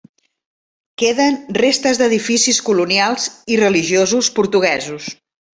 Queden restes d'edificis colonials i religiosos portuguesos.